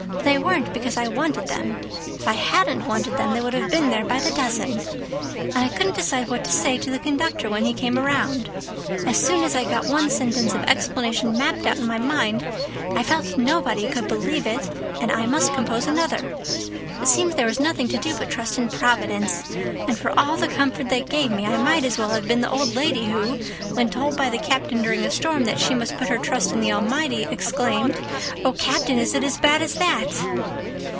But they weren't because I wanted them. If I hadn't wanted them they would have been there by the dozen. And I couldn't decide what to say to the conductor when he came around. As soon as I got one sentence of explanation mapped out in my mind I felt nobody could believe it and I must compose another. It seemed there was nothing to do but trust in Providence, and for all the comfort that gave me I might as well have been the old lady who, when told by the captain during a storm that she must put her trust in the Almighty exclaimed, 'Oh, Captain, is it as bad as that?